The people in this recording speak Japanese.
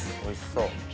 おいしそう。